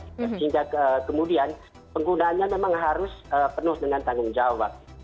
sehingga kemudian penggunaannya memang harus penuh dengan tanggung jawab